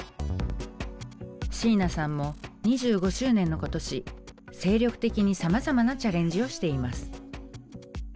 椎名さんも２５周年の今年精力的にさまざまなチャレンジをしています。